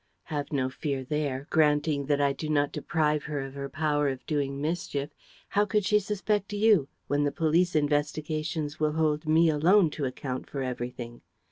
"Have no fear there. Granting that I do not deprive her of her power of doing mischief, how could she suspect you, when the police investigations will hold me alone to account for everything?